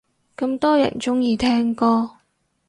咁多人鍾意聽歌